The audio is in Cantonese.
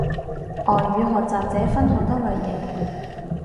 外語學習者分好多類型